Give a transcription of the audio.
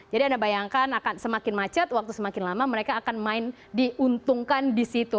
jadi anda bayangkan akan semakin macet waktu semakin lama mereka akan main diuntungkan di situ